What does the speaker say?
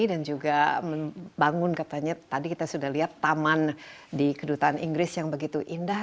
dan juga bangun katanya tadi kita sudah lihat taman di kedutaan inggris yang begitu indah